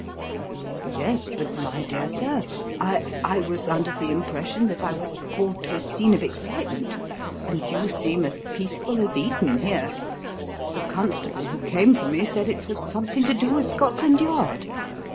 "Yes; but my dear sir, I I was under the impression that I was called to a scene of excitement; and you seem as peaceful as Eden here. The constable who came for me said it was something to do with Scotland Yard."